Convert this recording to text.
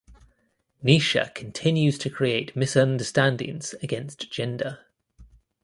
Nisha continues to create misunderstandings against Genda.